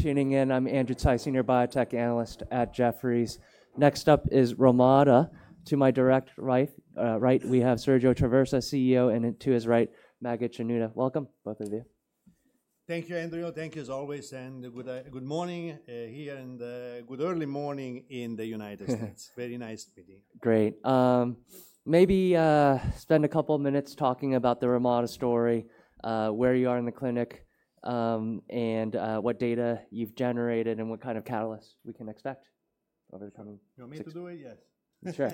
Tuning in. I'm Andrew Tsai, Senior Biotech Analyst at Jefferies. Next up is Relmada. To my direct right, we have Sergio Traversa, CEO, and to his right, Maged Shenouda. Welcome, both of you. Thank you, Andrew. Thank you as always. And good morning here, and good early morning in the United States. Very nice meeting. Great. Maybe spend a couple of minutes talking about the Relmada story, where you are in the clinic, and what data you've generated, and what kind of catalysts we can expect. You want me to do it? Yes. Sure.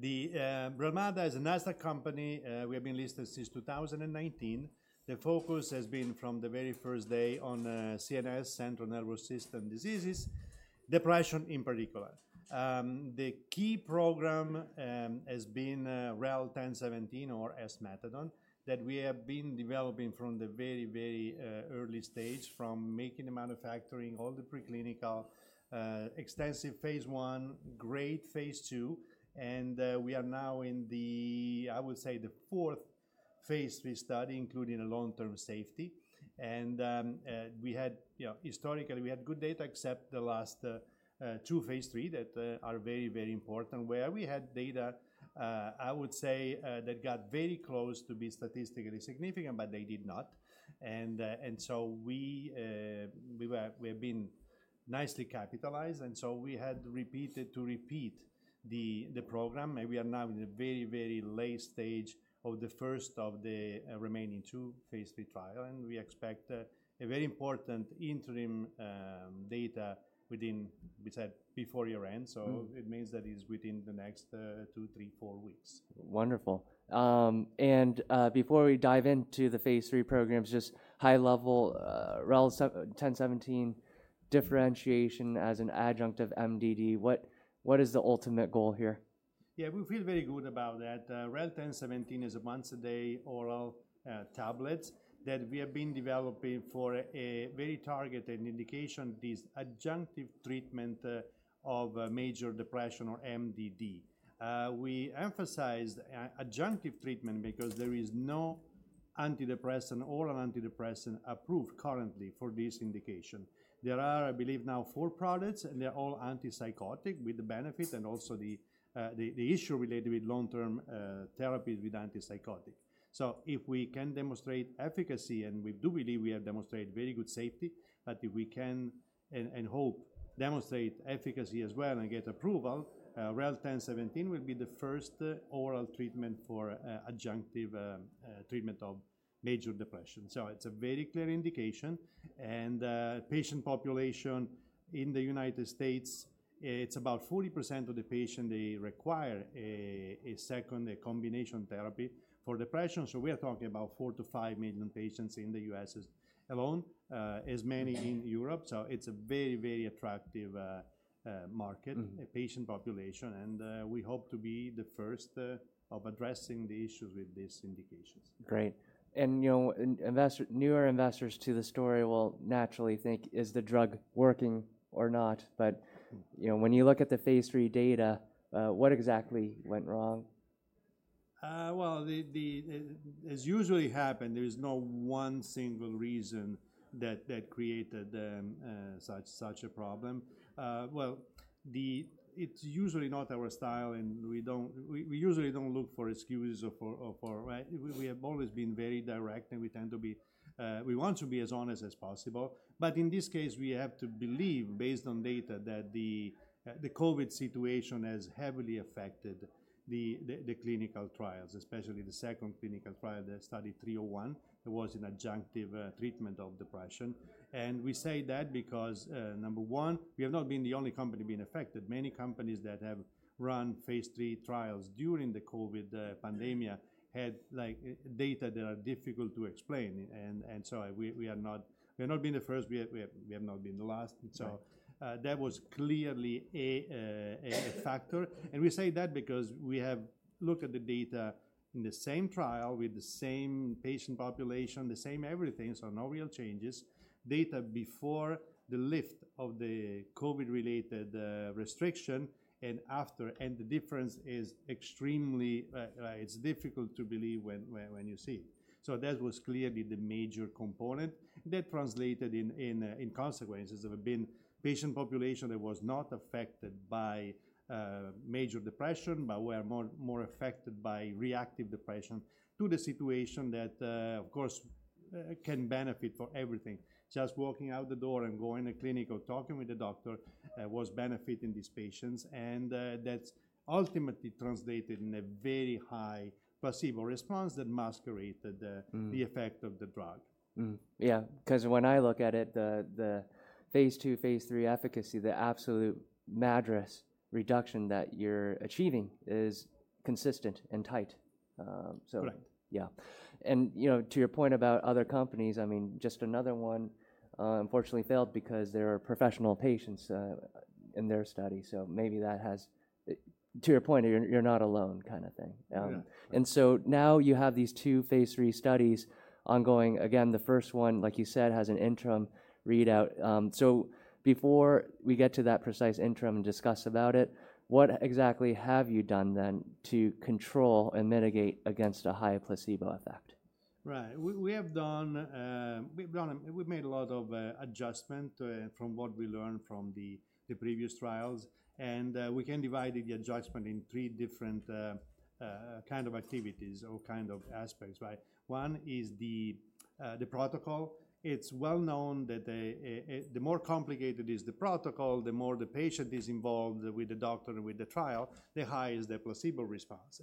Relmada is a NASDAQ company. We have been listed since 2019. The focus has been from the very first day on CNS, Central Nervous System diseases, depression in particular. The key program has been Relmada 1017, or esmethadone, that we have been developing from the very, very early stage, from making the manufacturing, all the preclinical, extensive phase one, great phase two, and we are now in the, I would say, the fourth phase study, including long-term safety. And we had, historically, we had good data, except the last two phase three that are very, very important, where we had data, I would say, that got very close to be statistically significant, but they did not, and so we have been nicely capitalized, and so we had repeated to repeat the program. We are now in the very, very late stage of the first of the remaining two phase 3 trials. We expect a very important interim data within, we said, before year-end. It means that it is within the next two, three, four weeks. Wonderful. And before we dive into the phase three programs, just high level, Relmada 1017 differentiation as an adjunct of MDD. What is the ultimate goal here? Yeah, we feel very good about that. Relmada 1017 is a once-a-day oral tablet that we have been developing for a very targeted indication, this adjunctive treatment of major depression, or MDD. We emphasized adjunctive treatment because there is no antidepressant, oral antidepressant approved currently for this indication. There are, I believe, now four products, and they're all antipsychotic with the benefit and also the issue related with long-term therapies with antipsychotic. So if we can demonstrate efficacy, and we do believe we have demonstrated very good safety, but if we can and hope demonstrate efficacy as well and get approval, Relmada 1017 will be the first oral treatment for adjunctive treatment of major depression. So it's a very clear indication, and patient population in the United States, it's about 40% of the patient they require a second combination therapy for depression. We are talking about four to five million patients in the U.S. alone, as many in Europe. It's a very, very attractive market, patient population. We hope to be the first of addressing the issues with this indication. Great. And newer investors to the story will naturally think, is the drug working or not? But when you look at the phase 3 data, what exactly went wrong? As usually happens, there is no one single reason that created such a problem. It's usually not our style, and we usually don't look for excuses. We have always been very direct, and we tend to be, we want to be as honest as possible. But in this case, we have to believe, based on data, that the COVID situation has heavily affected the clinical trials, especially the second clinical trial, the Study 301, that was an adjunctive treatment of depression. We say that because, number one, we have not been the only company being affected. Many companies that have run phase three trials during the COVID pandemic had data that are difficult to explain. We have not been the first. We have not been the last. That was clearly a factor. We say that because we have looked at the data in the same trial with the same patient population, the same everything, so no real changes. Data before the lift of the COVID-related restriction and after, and the difference is extremely, it's difficult to believe when you see it. That was clearly the major component that translated in consequences. There have been patient population that was not affected by major depression, but were more affected by reactive depression to the situation that, of course, can benefit for everything. Just walking out the door and going to clinic or talking with the doctor was benefiting these patients. That's ultimately translated in a very high placebo response that masqueraded the effect of the drug. Yeah, because when I look at it, the phase two, phase three efficacy, the absolute MADRS reduction that you're achieving is consistent and tight. Correct. Yeah. And to your point about other companies, I mean, just another one unfortunately failed because there are professional patients in their study. So maybe that has, to your point, you're not alone kind of thing. And so now you have these two phase 3 studies ongoing. Again, the first one, like you said, has an interim readout. So before we get to that precise interim and discuss about it, what exactly have you done then to control and mitigate against a high placebo effect? Right. We've made a lot of adjustment from what we learned from the previous trials, and we can divide the adjustment in three different kind of activities or kind of aspects. One is the protocol. It's well known that the more complicated is the protocol, the more the patient is involved with the doctor and with the trial, the higher is the placebo response.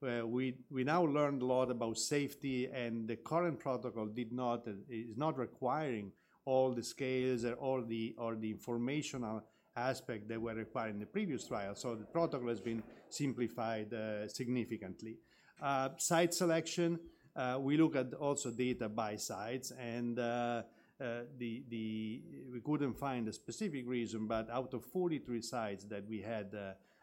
We now learned a lot about safety, and the current protocol is not requiring all the scales or the informational aspect that were required in the previous trial, so the protocol has been simplified significantly. Site selection, we also look at data by sites, and we couldn't find a specific reason, but out of 43 sites that we had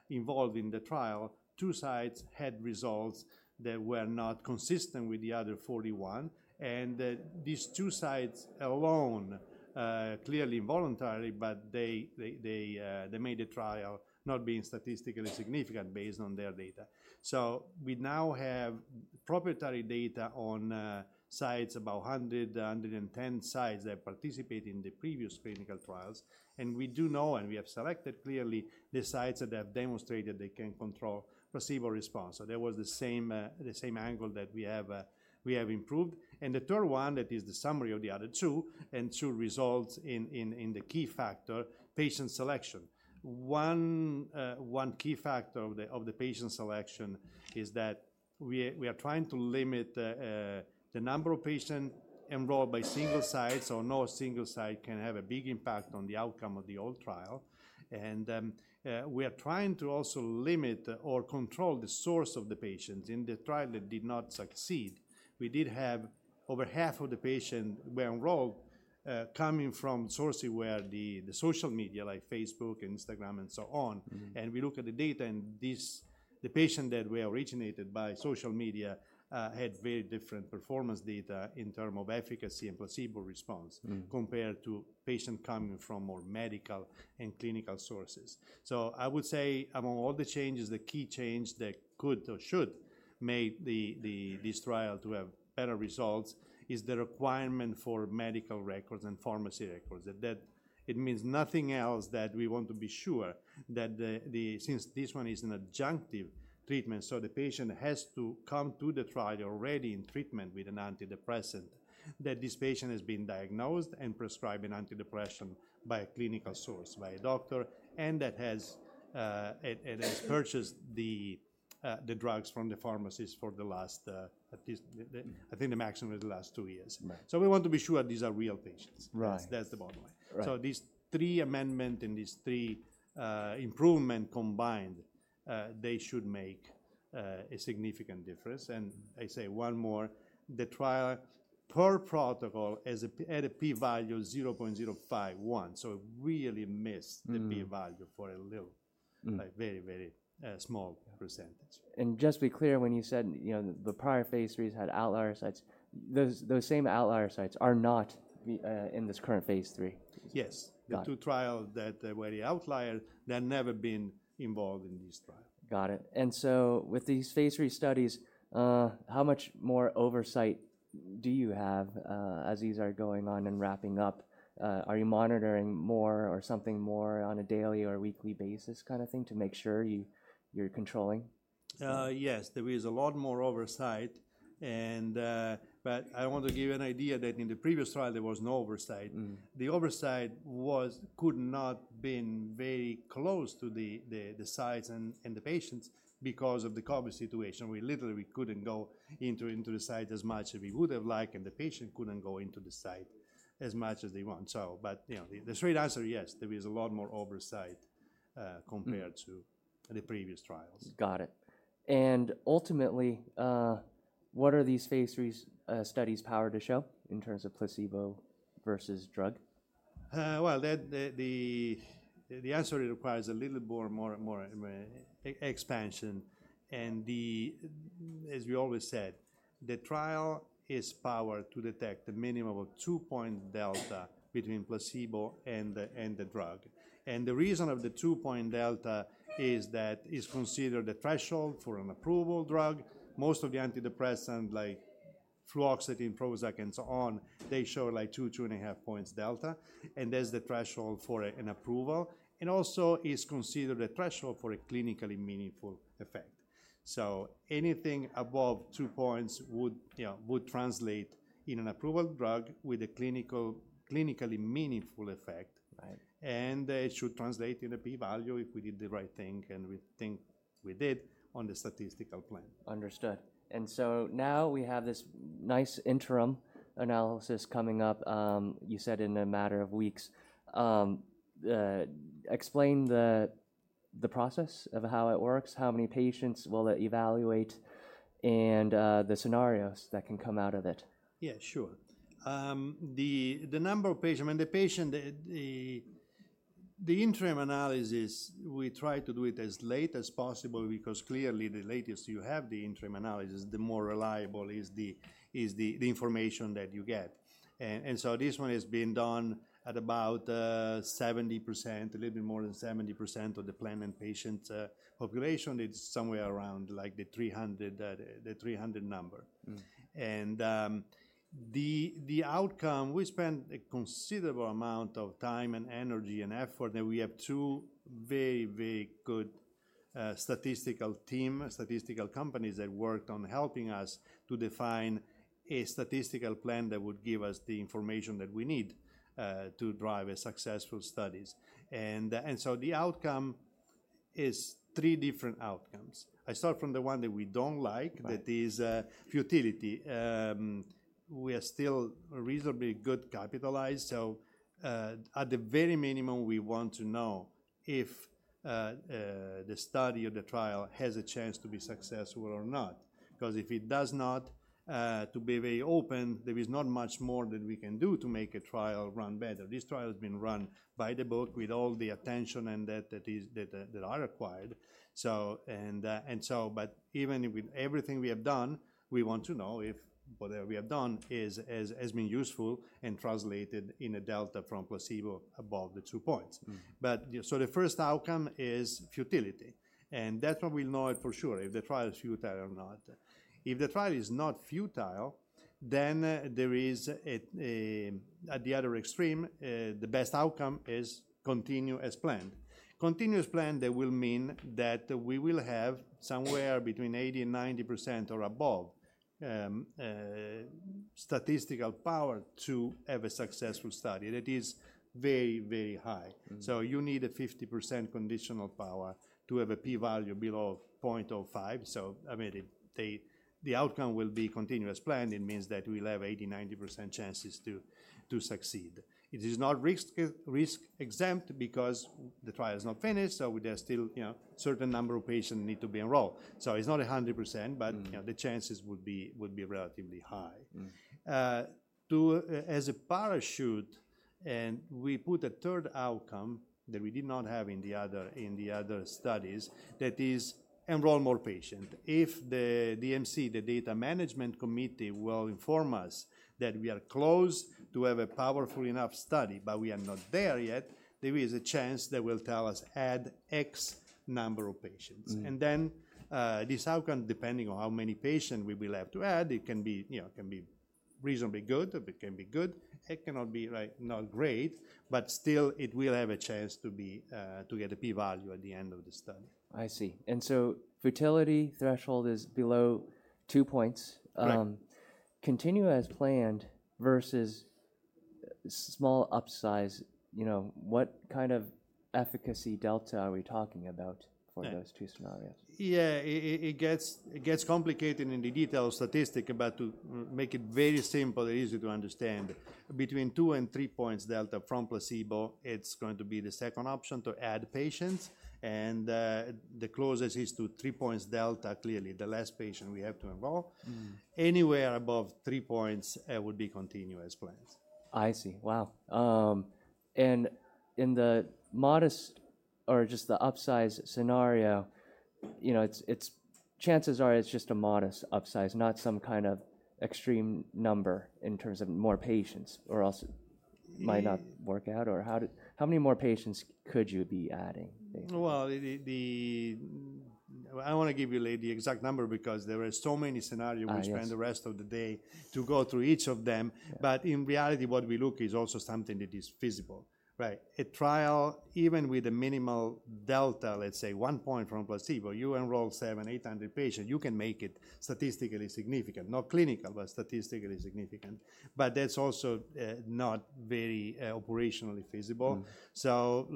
involved in the trial, two sites had results that were not consistent with the other 41. These two sites alone, clearly involuntarily, but they made the trial not being statistically significant based on their data. So we now have proprietary data on sites, about 100-110 sites that participated in the previous clinical trials. We do know, and we have selected clearly the sites that have demonstrated they can control placebo response. That was the same angle that we have improved. The third one, that is the summary of the other two, and two results in the key factor, patient selection. One key factor of the patient selection is that we are trying to limit the number of patients enrolled by single sites. No single site can have a big impact on the outcome of the whole trial. We are trying to also limit or control the source of the patients in the trial that did not succeed. We did have over half of the patients were enrolled coming from sources where the social media, like Facebook and Instagram and so on. And we look at the data, and the patients that were originated by social media had very different performance data in terms of efficacy and placebo response compared to patients coming from more medical and clinical sources. So I would say among all the changes, the key change that could or should make this trial to have better results is the requirement for medical records and pharmacy records. It means nothing else that we want to be sure that since this one is an adjunctive treatment, so the patient has to come to the trial already in treatment with an antidepressant, that this patient has been diagnosed and prescribed an antidepressant by a clinical source, by a doctor, and that has purchased the drugs from the pharmacist for the last, I think the maximum is the last two years. So we want to be sure these are real patients. That's the bottom line. So these three amendments and these three improvements combined, they should make a significant difference. And I say one more, the trial per protocol had a p-value of 0.051. So it really missed the p-value for a little, very, very small percentage. Just to be clear, when you said the prior phase 3 had outlier sites, those same outlier sites are not in this current phase 3. Yes. The two trials that were outliers. They've never been involved in this trial. Got it. And so with these phase three studies, how much more oversight do you have as these are going on and wrapping up? Are you monitoring more or something more on a daily or weekly basis kind of thing to make sure you're controlling? Yes, there is a lot more oversight. But I want to give you an idea that in the previous trial, there was no oversight. The oversight could not have been very close to the sites and the patients because of the COVID situation. We literally couldn't go into the sites as much as we would have liked, and the patient couldn't go into the site as much as they want. But the straight answer, yes, there is a lot more oversight compared to the previous trials. Got it. And ultimately, what are these phase 3 studies powered to show in terms of placebo versus drug? The answer requires a little bit more expansion. As we always said, the trial is powered to detect the minimum of two-point delta between placebo and the drug. The reason of the two-point delta is that it's considered the threshold for an approval drug. Most of the antidepressants, like fluoxetine, Prozac, and so on, they show like two, two and a half points delta. That's the threshold for an approval. Also it's considered a threshold for a clinically meaningful effect. Anything above two points would translate in an approval drug with a clinically meaningful effect. It should translate in a p-value if we did the right thing, and we think we did on the statistical plan. Understood. And so now we have this nice interim analysis coming up, you said, in a matter of weeks. Explain the process of how it works, how many patients will it evaluate, and the scenarios that can come out of it. Yeah, sure. The number of patients, I mean, the patient, the interim analysis, we try to do it as late as possible because clearly the latest you have the interim analysis, the more reliable is the information that you get. And so this one has been done at about 70%, a little bit more than 70% of the planned patient population. It's somewhere around like the 300 number. And the outcome, we spent a considerable amount of time and energy and effort, and we have two very, very good statistical teams, statistical companies that worked on helping us to define a statistical plan that would give us the information that we need to drive a successful study. And so the outcome is three different outcomes. I start from the one that we don't like, that is futility. We are still reasonably good capitalized. At the very minimum, we want to know if the study or the trial has a chance to be successful or not. Because if it does not, to be very open, there is not much more that we can do to make a trial run better. This trial has been run by the book with all the attention and that are required. Even with everything we have done, we want to know if whatever we have done has been useful and translated in a delta from placebo above the two points. The first outcome is futility. That's what we'll know for sure, if the trial is futile or not. If the trial is not futile, then there is, at the other extreme, the best outcome is continue as planned. Continue as planned, that will mean that we will have somewhere between 80%-90% or above statistical power to have a successful study. That is very, very high. So you need a 50% conditional power to have a p-value below 0.05. So I mean, the outcome will be continue as planned. It means that we'll have 80-90% chances to succeed. It is not risk-exempt because the trial is not finished, so there's still a certain number of patients that need to be enrolled. So it's not 100%, but the chances would be relatively high. As a parachute, we put a third outcome that we did not have in the other studies, that is enroll more patients. If the DMC, the Data Management Committee, will inform us that we are close to have a powerful enough study, but we are not there yet, there is a chance that will tell us add X number of patients. And then this outcome, depending on how many patients we will have to add, it can be reasonably good. If it can be good, it cannot be not great, but still it will have a chance to get a p-value at the end of the study. I see. And so futility threshold is below two points. Continue as planned versus small upsize. What kind of efficacy delta are we talking about for those two scenarios? Yeah, it gets complicated in the detailed statistic, but to make it very simple and easy to understand, between two and three points delta from placebo, it's going to be the second option to add patients. And the closest is to three points delta, clearly the last patient we have to enroll. Anywhere above three points would be continue as planned. I see. Wow, and in the modest or just the upsize scenario, chances are it's just a modest upsize, not some kind of extreme number in terms of more patients or else it might not work out, or how many more patients could you be adding? I want to give you the exact number because there are so many scenarios we spend the rest of the day to go through each of them. But in reality, what we look is also something that is feasible. A trial, even with a minimal delta, let's say one point from placebo, you enroll 700-800 patients, you can make it statistically significant, not clinical, but statistically significant. But that's also not very operationally feasible. So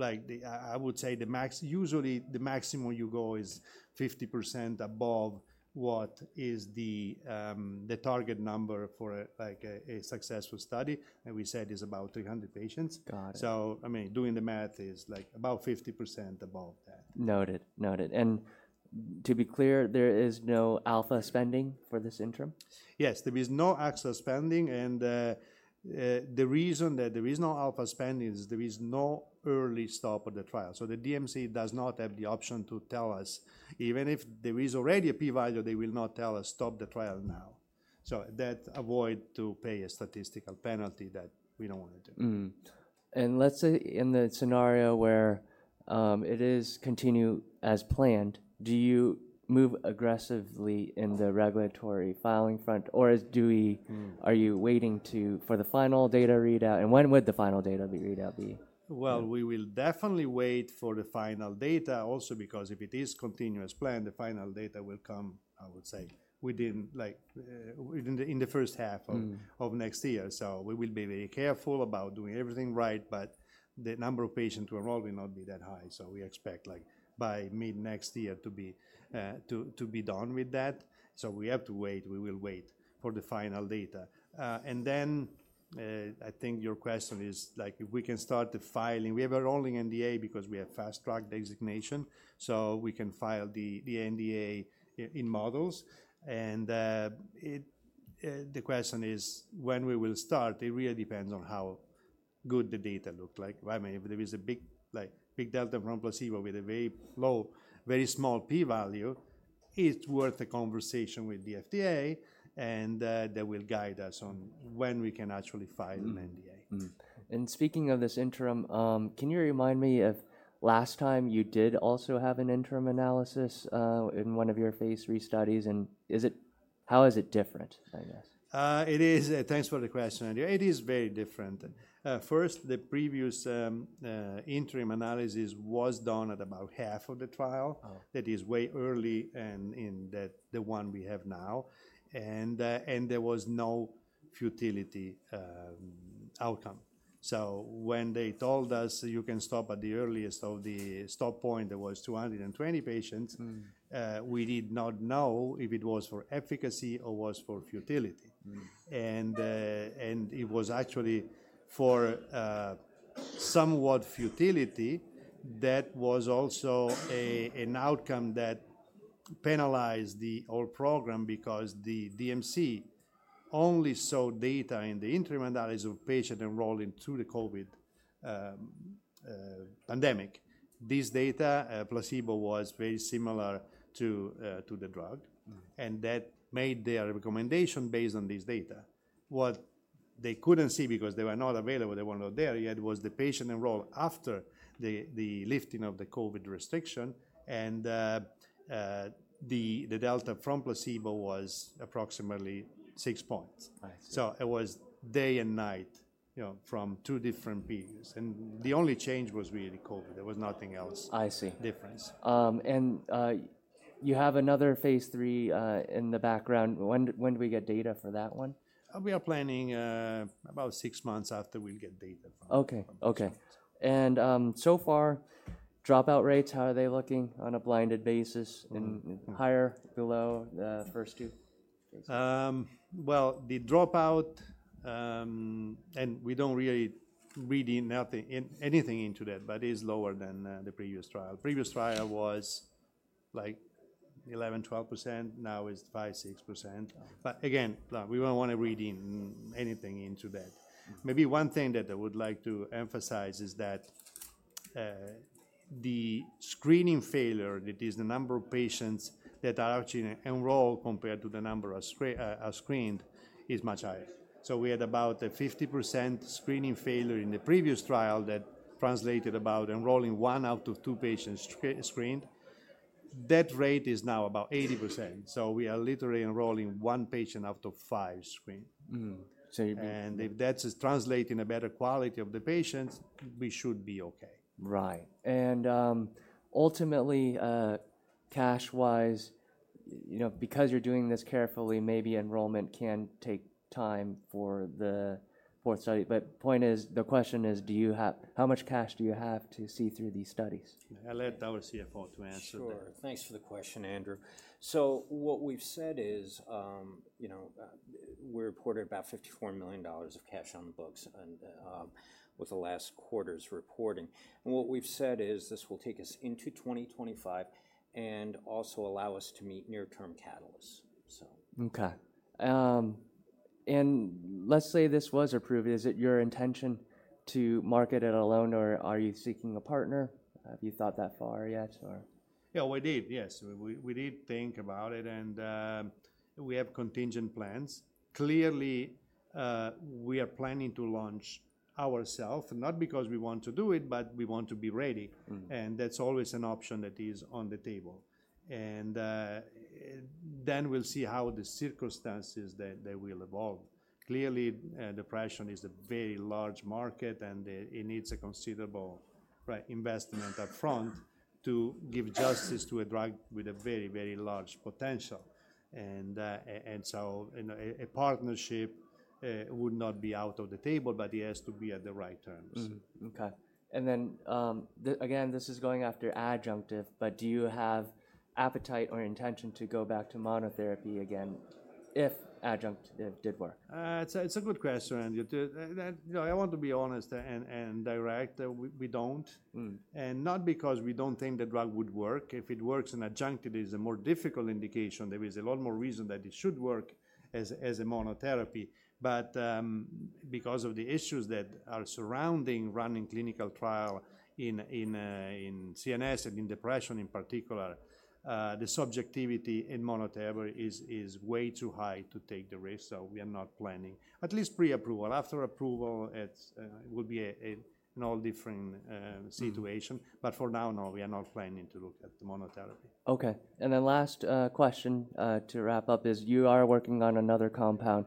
I would say usually the maximum you go is 50% above what is the target number for a successful study. And we said it's about 300 patients. So I mean, doing the math is like about 50% above that. Noted. Noted. And to be clear, there is no alpha spending for this interim? Yes, there is no actual spending. And the reason that there is no alpha spending is there is no early stop of the trial. So the DMC does not have the option to tell us, even if there is already a p-value, they will not tell us, "stop the trial now." So that avoids paying a statistical penalty that we don't want to do. Let's say in the scenario where it is continue as planned, do you move aggressively in the regulatory filing front? Or are you waiting for the final data readout? And when would the final data readout be? We will definitely wait for the final data also because if it is contingency plan, the final data will come, I would say, in the first half of next year. We will be very careful about doing everything right, but the number of patients to enroll will not be that high. We expect by mid next year to be done with that. We have to wait. We will wait for the final data. Then I think your question is if we can start the filing. We have a rolling NDA because we have fast track designation. We can file the NDA in modules. The question is when we will start. It really depends on how good the data look like.I mean, if there is a big delta from placebo with a very low, very small p-value, it's worth a conversation with the FDA, and that will guide us on when we can actually file an NDA. Speaking of this interim, can you remind me of last time you did also have an interim analysis in one of your phase 3 studies? How is it different, I guess? It is. Thanks for the question. It is very different. First, the previous interim analysis was done at about half of the trial. That is way early in the one we have now. And there was no futility outcome. So when they told us you can stop at the earliest of the stop point, there was 220 patients, we did not know if it was for efficacy or was for futility. And it was actually for somewhat futility that was also an outcome that penalized the whole program because the DMC only saw data in the interim analysis of patient enrolling through the COVID pandemic. This data, placebo was very similar to the drug. And that made their recommendation based on this data. What they couldn't see because they were not available, they were not there yet, was the patient enrolled after the lifting of the COVID restriction. The delta from placebo was approximately six points. It was day and night from two different periods. The only change was really COVID. There was nothing else difference. I see. You have another phase 3 in the background. When do we get data for that one? We are planning about six months after we'll get data from the phase 3. Okay. And so far, dropout rates, how are they looking on a blinded basis? Higher, below, first two? The dropout, and we don't really read anything into that, but it is lower than the previous trial. Previous trial was like 11%-12%. Now it's 5%-6%. But again, we don't want to read anything into that. Maybe one thing that I would like to emphasize is that the screening failure, that is the number of patients that are actually enrolled compared to the number of screened, is much higher. So we had about a 50% screening failure in the previous trial that translated about enrolling one out of two patients screened. That rate is now about 80%. So we are literally enrolling one patient out of five screened. If that's translating a better quality of the patients, we should be okay. Right. And ultimately, cash-wise, because you're doing this carefully, maybe enrollment can take time for the fourth study. But the question is, how much cash do you have to see through these studies? I'll let our CFO to answer that. Sure. Thanks for the question, Andrew. So what we've said is we reported about $54 million of cash on the books with the last quarter's reporting. And what we've said is this will take us into 2025 and also allow us to meet near-term catalysts. Okay. And let's say this was approved. Is it your intention to market it alone, or are you seeking a partner? Have you thought that far yet, or? Yeah, we did. Yes. We did think about it, and we have contingent plans. Clearly, we are planning to launch ourselves, not because we want to do it, but we want to be ready, and that's always an option that is on the table, and then we'll see how the circumstances will evolve. Clearly, depression is a very large market, and it needs a considerable investment upfront to do justice to a drug with a very, very large potential, and so a partnership would not be off the table, but it has to be at the right terms. Okay. And then again, this is going after adjunctive, but do you have appetite or intention to go back to monotherapy again if adjunctive did work? It's a good question, Andrew. I want to be honest and direct. We don't, and not because we don't think the drug would work. If it works in adjunctive, it is a more difficult indication. There is a lot more reason that it should work as a monotherapy, but because of the issues that are surrounding running clinical trial in CNS and in depression in particular, the subjectivity in monotherapy is way too high to take the risk, so we are not planning, at least pre-approval. After approval, it will be an all different situation, but for now, no, we are not planning to look at the monotherapy. Okay. And then last question to wrap up is, you are working on another compound,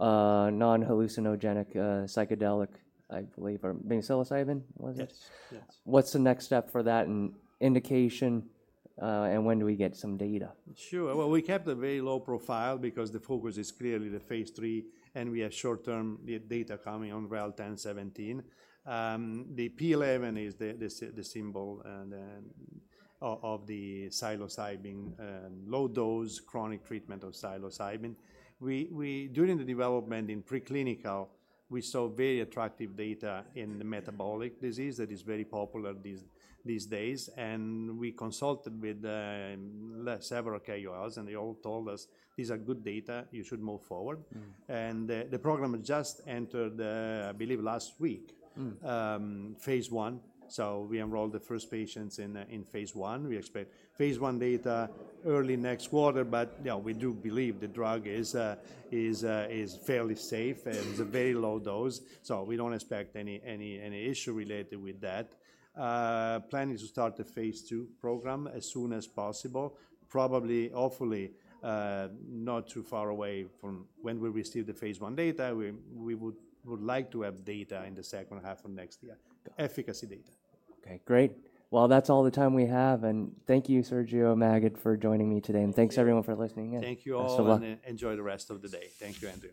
non-hallucinogenic psychedelic, I believe, or psilocybin, was it? Yes. Yes. What's the next step for that and indication, and when do we get some data? Sure. Well, we kept a very low profile because the focus is clearly the phase 3, and we have short-term data coming on Relmada 1017. The P11 is the symbol of the psilocybin low dose chronic treatment of psilocybin. During the development in preclinical, we saw very attractive data in the metabolic disease that is very popular these days. We consulted with several KOLs, and they all told us, "These are good data. You should move forward." The program just entered, I believe, last week, phase 1. So we enrolled the first patients in phase 1. We expect phase 1 data early next quarter, but we do believe the drug is fairly safe. It's a very low dose. So we don't expect any issue related with that. Planning to start the phase 2 program as soon as possible. Probably, hopefully, not too far away from when we receive the phase one data. We would like to have data in the second half of next year, efficacy data. Okay. Great. Well, that's all the time we have. Thank you, Sergio and Maged, for joining me today. Thanks, everyone, for listening in. Thank you all, and enjoy the rest of the day. Thank you, Andrew.